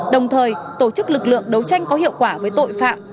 đồng thời tổ chức lực lượng đấu tranh có hiệu quả với tội phạm